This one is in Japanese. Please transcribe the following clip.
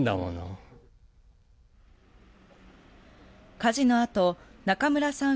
火事の後中村さん